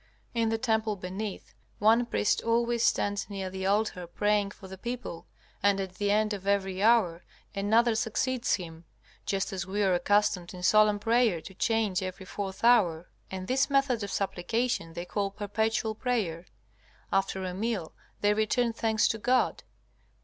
In the temple beneath, one priest always stands near the altar praying for the people, and at the end of every hour another succeeds him, just as we are accustomed in solemn prayer to change every fourth hour. And this method of supplication they call perpetual prayer. After a meal they return thanks to God.